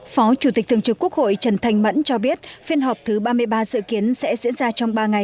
phó chủ tịch thường trực quốc hội trần thanh mẫn cho biết phiên họp thứ ba mươi ba dự kiến sẽ diễn ra trong ba ngày